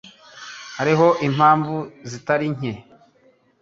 Hariho impamvu zitari nke.